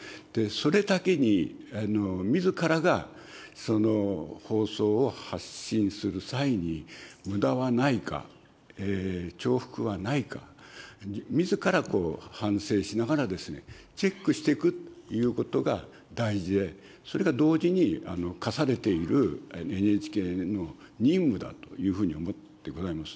それだけに、みずからが放送を発信する際に、むだはないか、重複はないか、みずから反省しながら、チェックしていくということが大事で、それが同時に課されているＮＨＫの任務だというふうに思ってございます。